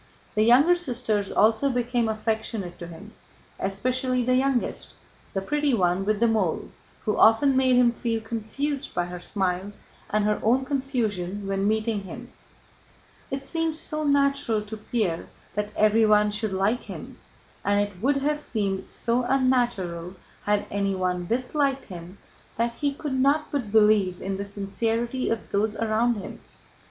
The younger sisters also became affectionate to him, especially the youngest, the pretty one with the mole, who often made him feel confused by her smiles and her own confusion when meeting him. It seemed so natural to Pierre that everyone should like him, and it would have seemed so unnatural had anyone disliked him, that he could not but believe in the sincerity of those around him.